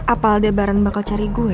apa aldebaran bakal cari gue